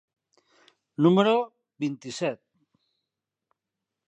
número vint-i-set?